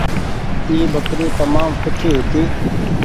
اي ٻڪري تمآم سوٺي هيتي۔